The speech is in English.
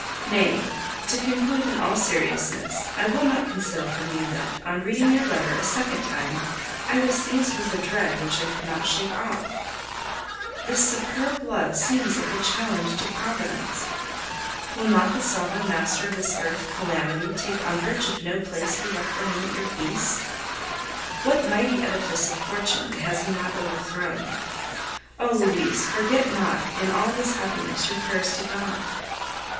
Nay to conclude in all seriousness I will not conceal from you that, on reading your letter a second time, I was seized with a dread which I could not shake off. This superb love seems like a challenge to Providence. Will not the sovereign master of this earth, Calamity, take umbrage if no place be left for him at your feast? What mighty edifice of fortune has he not overthrown? Oh! Louise, forget not, in all this happiness, your prayers to God.